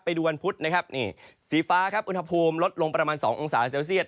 ไปดูวันพุธนะครับนี่สีฟ้าครับอุณหภูมิลดลงประมาณ๒องศาเซลเซียต